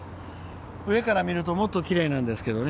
上から見るともっときれいなんですけどね。